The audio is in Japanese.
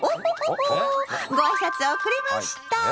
ご挨拶遅れました。